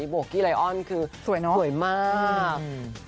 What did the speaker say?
โกกี้ไลออนคือสวยมาก